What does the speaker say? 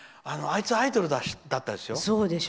あいつ、アイドルだったんですよ。